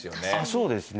そうですね。